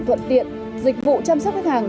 thuận tiện dịch vụ chăm sóc khách hàng